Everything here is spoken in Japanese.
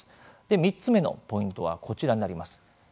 で、３つ目のポイントはこちらになります。